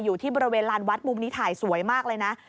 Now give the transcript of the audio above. อยู่ที่บริเวณลานวัดมุมนี้ถ่ายสวยมากเลยนะ